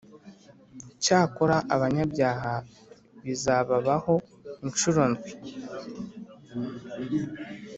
cyakora abanyabyaha bizababaho incuro ndwi;